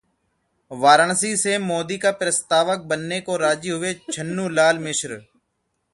वाराणसी से मोदी का प्रस्तावक बनने को राजी हुए छन्नू लाल मिश्र